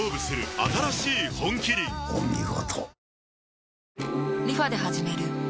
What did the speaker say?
お見事。